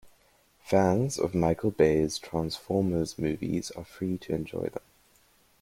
Fans of Michael Bay's Transformers movies are free to enjoy them.